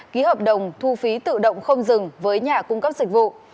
ký hợp đồng thu phí tự động không dừng với nhà cung cấp dịch vụ